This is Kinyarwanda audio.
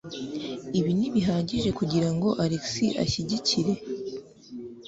Ibi ntibihagije kugirango Alex ashyigikire?